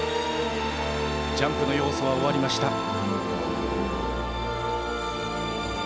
ジャンプの要素は終わりました。